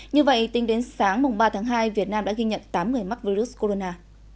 như vậy tính đến sáng ba tháng hai việt nam đã ghi nhận tám người mắc virus corona